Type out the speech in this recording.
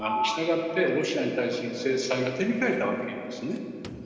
したがってロシアに対する制裁は手控えたわけですね。